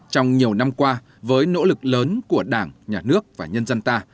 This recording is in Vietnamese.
trong nhiều năm qua với nỗ lực lớn của đảng nhà nước và nhân dân ta